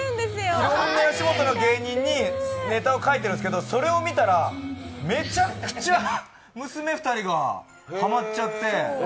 いろいろなよしもとの芸人にネタ書いてるんですけど、それを見たらめちゃくちゃ娘２人がハマっちゃって。